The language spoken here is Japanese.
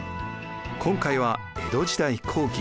今回は江戸時代後期。